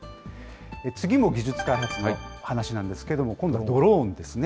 次も技術開発の話なんですけども、今度はドローンですね。